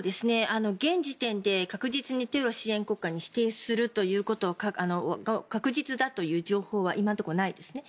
現時点で確実にテロ支援国家に指定するということが確実だという情報は今のところないですね。